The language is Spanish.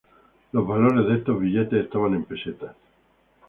Los valores de estos billetes estaban en pesetas.